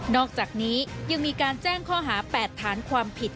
อกจากนี้ยังมีการแจ้งข้อหา๘ฐานความผิด